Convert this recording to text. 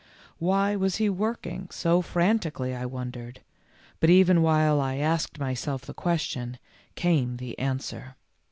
Why was he working away so frantically, I wondered ; but even while I asked myself the question, came the answer.